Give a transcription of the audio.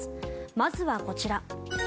まずはこちら。